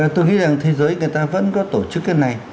tôi nghĩ rằng thế giới người ta vẫn có tổ chức cái này